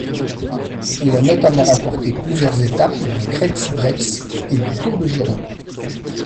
Il a notamment remporté plusieurs étapes du Kreiz Breizh et du Tour de Gironde.